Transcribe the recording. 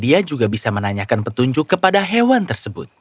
dia juga bisa menanyakan petunjuk kepada hewan tersebut